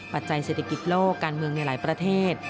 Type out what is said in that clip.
ปัจจัยเศรษฐกิจโลกการเมืองในหลายประเทศ